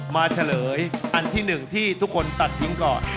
เฉลยอันที่๑ที่ทุกคนตัดทิ้งก่อน